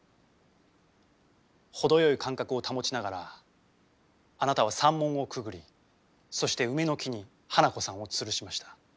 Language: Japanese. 程よい間隔を保ちながらあなたは山門をくぐりそして梅の木に花子さんをつるしました。